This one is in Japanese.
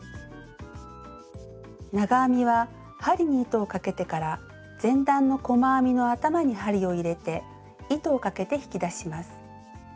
長編みは針に糸をかけてから前段の細編みの頭に針を入れて糸をかけて引き出します。